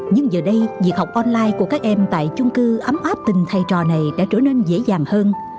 nhưng giờ đây việc học online của các em tại chung cư ấm áp tình thầy trò này đã trở nên dễ dàng hơn